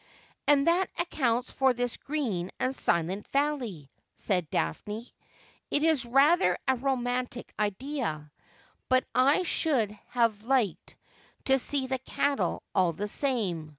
'And that accounts for this green and silent valley,' said Daphne. ' It is rather a romantic idea ; but I should have liked to see the cattle all the same.